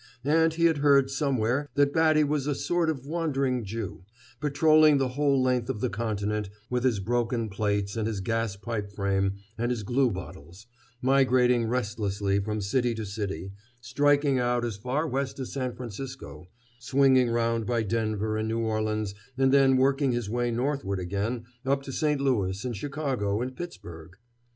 And he had heard somewhere that Batty was a sort of Wandering Jew, patroling the whole length of the continent with his broken plates and his gas pipe frame and his glue bottles, migrating restlessly from city to city, striking out as far west as San Francisco, swinging round by Denver and New Orleans and then working his way northward again up to St. Louis and Chicago and Pittsburgh.